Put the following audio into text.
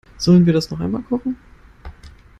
Sollen wir das noch einmal kochen?